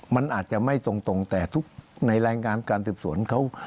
มันอาจจะไม่ตรงแต่ทุกในรายงานการสืบสวนเขา